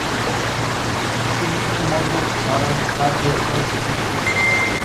তিনি ছিলেন মধ্য ভারত রাজ্যের সর্বশেষ মুখ্যমন্ত্রী।